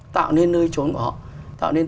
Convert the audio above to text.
tạo nên nơi trốn của họ tạo nên